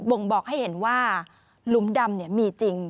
่งบอกให้เห็นว่าหลุมดำมีจริง